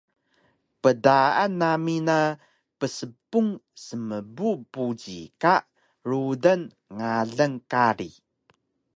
Pdaan nami na pspung smbu buji ka rudan ngalan kari